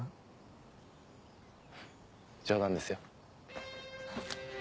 冗談ですよ。